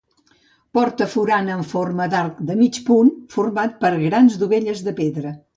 Porta forana en forma d'arc de mig punt, format per grans dovelles de pedra.